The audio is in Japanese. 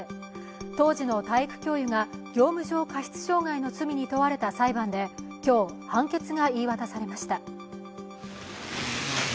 当時の体育教諭が業務上過失傷害の罪で問われた裁判で今日、判決が言い渡されました。